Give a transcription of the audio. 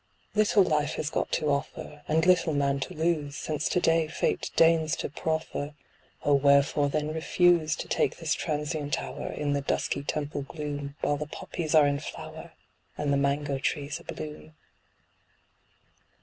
Little Life has got to offer, and little man to lose, Since to day Fate deigns to proffer, Oh, wherefore, then refuse To take this transient hour, in the dusky Temple gloom While the poppies are in flower, and the mangoe trees abloom.